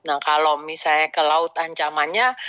nah kalau misalnya ke laut ancamannya